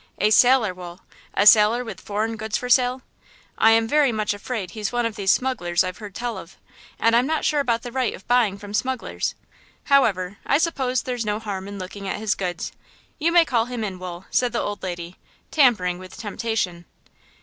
"A sailor, Wool–a sailor with foreign goods for sale? I am very much afraid he's one of these smugglers I've heard tell of, and I'm not sure about the right of buying from smugglers! However, I suppose there's no harm in looking at his goods. You may call him in, Wool," said the old lady, tampering with temptation.